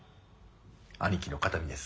兄貴の形見です。